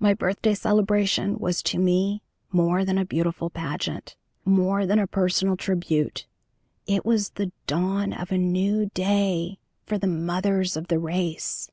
The birthday celebration was to me more than a beautiful pageant; more than a personal tribute. It was the dawn of a new day for the Mothers of the Race!